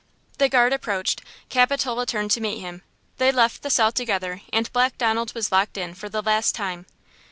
The guard approached; Capitola turned to meet him. They left the cell together and Black Donald was locked in for the last time!